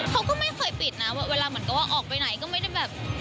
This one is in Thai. เขาก็ไม่เคยปิดนะเวลาเหมือนกับว่าออกไปไหนก็ไม่ได้แบบ